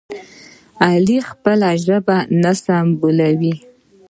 علي ژبه نه سنبالوي.